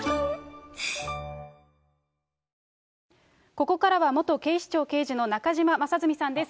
ここからは、元警視庁刑事の中島正純さんです。